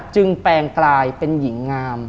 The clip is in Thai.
แปลงกลายเป็นหญิงงาม